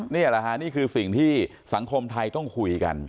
นี่คือสิ่งที่สังคมไทยต้องคุยกัน